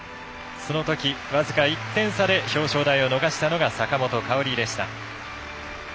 そのとき、僅か１点差で表彰台を逃したのが坂本花織でした。